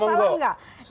kalau salah enggak